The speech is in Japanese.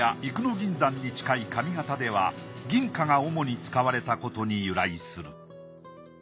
銀山に近い上方では銀貨がおもに使われたことに由来する。